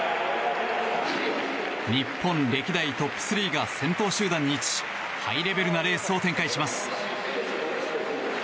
日本歴代トップ３が先頭集団に位置しハイレベルなレースを展開します。